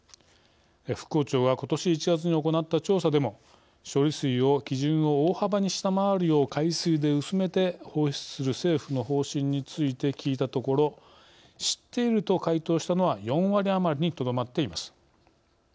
復興庁はことし１月に行った調査でも処理水を基準を大幅に下回るよう海水で薄めて放出する政府の方針について聞いたところ知っていると回答したのは４割余りにとどまっています。